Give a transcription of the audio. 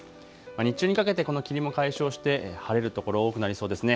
日中にかけてこの霧も解消して晴れる所多くなりそうですね。